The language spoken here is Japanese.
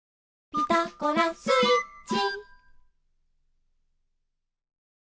「ピタゴラスイッチ」